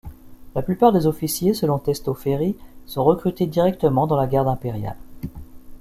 La plupart des officiers, selon Testot-Ferry, sont recrutés directement dans la Garde impériale.